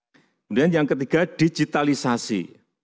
kemudian yang ketiga digitalisasi